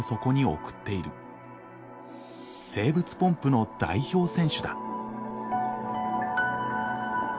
生物ポンプの代表選手だ。